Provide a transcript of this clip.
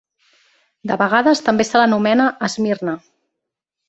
De vegades també se l'anomena Esmirna.